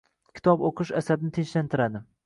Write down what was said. Kitob o‘qish asabni tinchlantiradi.